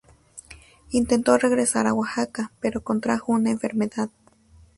Intentó regresar a Oaxaca, pero contrajo una enfermedad.